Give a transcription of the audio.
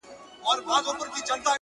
بس ما هم پیدا کولای سی یارانو٫